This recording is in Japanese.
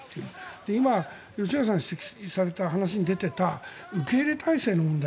今、吉永さんが指摘された話に出ていた受け入れ態勢の問題。